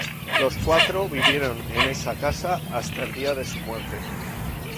Los cuatro vivieron en esa casa hasta el día de su muerte.